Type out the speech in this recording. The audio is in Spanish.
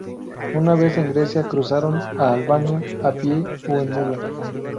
Una vez en Grecia, cruzaron a Albania a pie o en mula.